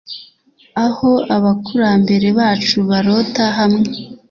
Aho abakurambere bacu barota hamwe